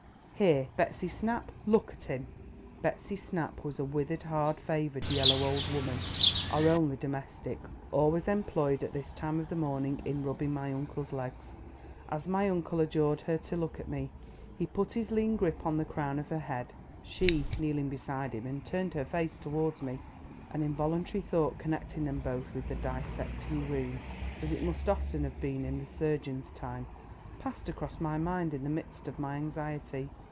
"Here! Betsy Snap! Look at him!" Betsy Snap was a withered, hard favoured, yellow old woman—our only domestic—always employed, at this time of the morning, in rubbing my uncle's legs. As my uncle adjured her to look at me, he put his lean grip on the crown of her head, she kneeling beside him, and turned her face towards me. An involuntary thought connecting them both with the Dissecting Room, as it must often have been in the surgeon's time, passed across my mind in the midst of my anxiety.